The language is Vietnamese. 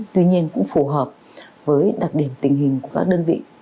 tuy nhiên cũng phù hợp với đặc điểm tình hình của các đơn vị